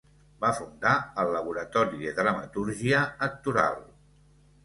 Va fundar el Laboratori de Dramatúrgia Actoral.